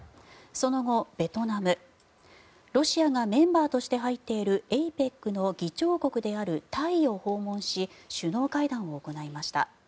その後、ベトナムロシアがメンバーとして入っているＡＰＥＣの議長国であるタイを訪問し首脳会談を行いました。